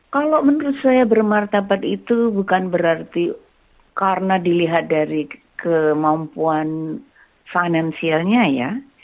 kalau menurut saya bermartabat itu bukan berarti karena dilihat dari kemampuan finansialnya ya